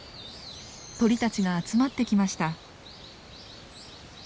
鳥たちが集まってきました。